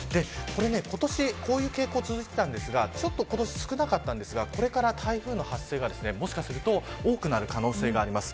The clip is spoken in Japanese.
今年、こういう傾向が続いていたんですが今年少なかったんですがこれから台風の発生がもしかしすると多くなる可能性があります。